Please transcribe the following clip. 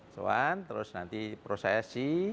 soan terus nanti prosesi